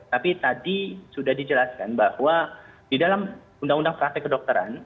tapi tadi sudah dijelaskan bahwa di dalam undang undang praktek kedokteran